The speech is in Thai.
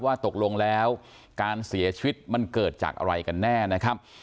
ว่าตกลงแล้วการเสียชีวิตมันเกิดจากอะไรกันแน่นะครับ